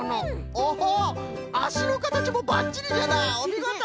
オホあしのかたちもばっちりじゃなおみごと！